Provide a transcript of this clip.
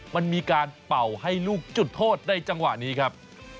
มันมีการเป่าให้ลูกจุดโทษในจังหวะนี้ครับ